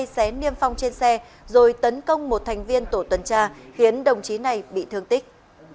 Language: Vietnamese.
xé niêm phong trên xe rồi tấn công một thành viên tổ tuần tra khiến đồng chí này bị thương tích